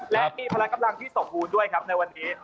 และมีพละกำลังที่สมบูรณ์ด้วยครับในวันนี้